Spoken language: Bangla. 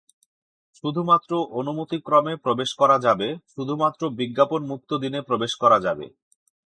শুধুমাত্র অনুমতিক্রমে প্রবেশ করা যাবে, শুধুমাত্র বিজ্ঞাপন মুক্ত দিনে প্রবেশ করা যাবে।